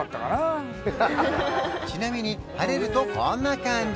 ちなみに晴れるとこんな感じ